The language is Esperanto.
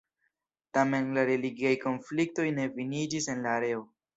Tamen la religiaj konfliktoj ne finiĝis en la areo.